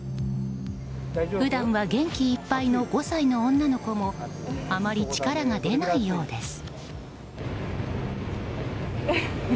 普段は元気いっぱいの５歳の女の子もあまり力が出ないようです。